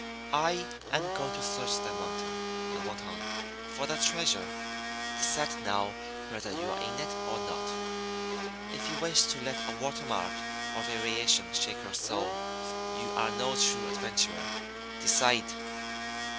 "I am going to search that mountain," I went on, "for the treasure. Decide now whether you are in it or not. If you wish to let a water mark or a variation shake your soul, you are no true adventurer. Decide."